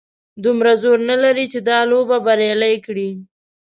دومره زور نه لري چې دا لوبه بریالۍ کړي.